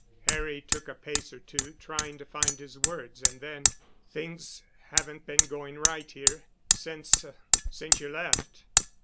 Harry took a pace or two, trying to find his words. And then, "Things haven't been going right, here—since—er—since you left."